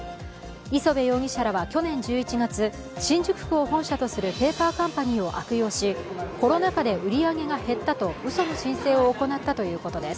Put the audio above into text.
磯辺容疑者らは去年１１月新宿を本社とするペーパーカンパニーを悪用し、コロナ禍で売り上げが減ったとうその申請を行ったということです。